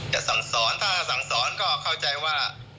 สั่งสอนถ้าสั่งสอนก็เข้าใจว่า